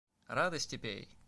Радости пей!